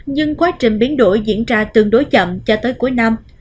nhưng quá trình biến đổi diễn ra tương đối chậm cho tới cuối năm